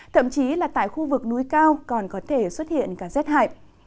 thậm chí là tại khu vực núi cao còn có thể xuất hiện cả rét hại